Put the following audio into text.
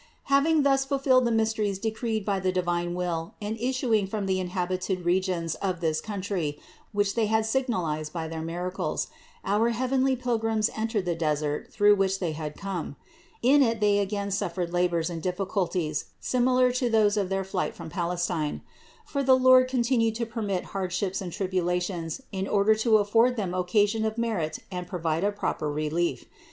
Having thus fulfilled the mysteries decreed by the divine will and issuing from the inhabited regions of this country, which They had signalized by their miracles, our heavenly Pilgrims entered the desert through which They had come. In it They again suffered labors and difficulties similar to those of their flight from Palestine ; for the Lord continued to permit hardships and tribula tion in order to afford Them occasion of merit and pro vide a proper relief.